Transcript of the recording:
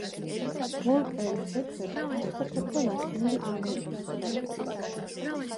უოლკერის გეგმები აშფოთებდა ლათინური ამერიკის ქვეყნებს.